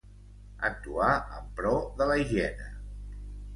Actuar en pro de la higiene.